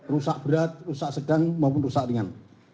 rusak berat rusak sedang maupun rusak ringan